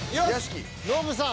ノブさん。